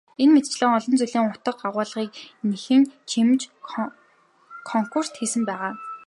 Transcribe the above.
Энэ мэтчилэн олон зүйлийн утга агуулгыг нэмэн чимж консрукт хийсэн байгаа.